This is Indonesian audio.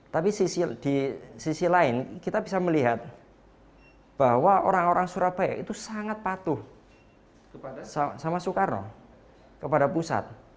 tapi di sisi lain kita bisa melihat bahwa orang orang surabaya itu sangat patuh sama soekarno kepada pusat